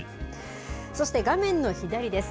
そして、画面の左です。